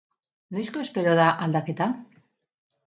Noizko espero da aldaketa?